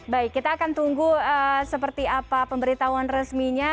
baik kita akan tunggu seperti apa pemberitahuan resminya